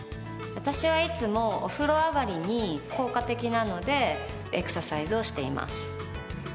私はいつもお風呂上がりに効果的なのでエクササイズをしています。